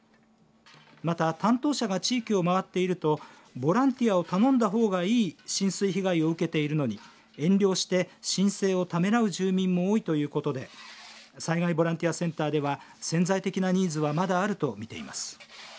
また担当者が地域を回っているとボランティアを頼んだほうがいい浸水被害を受けているのに遠慮して申請をためらう住民も多いということで災害ボランティアセンターでは潜在的なニーズはまだあると見ています。